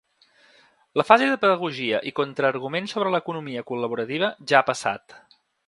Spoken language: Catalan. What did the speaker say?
La fase de pedagogia i contra-arguments sobre l’economia col·laborativa ja ha passat.